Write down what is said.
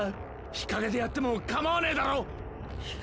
日陰でやってもかまわねーだろッ。